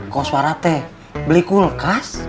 koswara teh beli kulkas